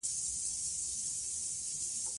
یورانیم د افغان ماشومانو د زده کړې موضوع ده.